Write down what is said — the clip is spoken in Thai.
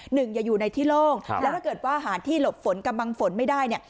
อย่าอยู่ในที่โล่งแล้วถ้าเกิดว่าหาที่หลบฝนกำลังฝนไม่ได้เนี่ย